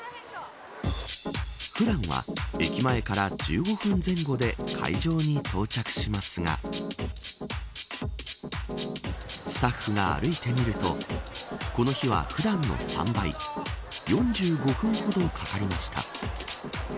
普段は駅前から１５分前後で会場に到着しますがスタッフが歩いてみるとこの日は普段の３倍４５分ほどかかりました。